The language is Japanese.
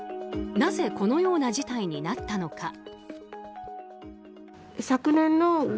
なぜ、このような事態になったのか。